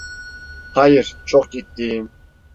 Hayır, çok ciddiyim.